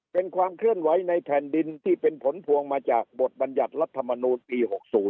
เป็นความเคลื่อนไหวในแผ่นดินที่เป็นผลพวงมาจากบทบรรยัติรัฐมนูลปี๖๐